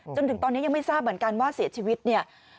จนถึงตอนนี้ยังไม่ทราบเหมือนกันว่าเสียชีวิตเนี่ย